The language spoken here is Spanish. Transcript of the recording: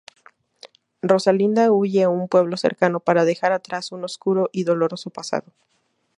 Rosalinda huye a un pueblo cercano para dejar atrás un oscuro y doloroso pasado.